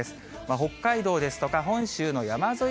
北海道ですとか、本州の山沿い